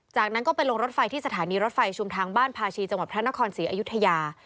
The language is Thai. จากนั้นก็ไปลงรถไฟที่สถานีรถไฟชุมทางบ้านภาชีจังหวัดพระนครศรีอยุธยา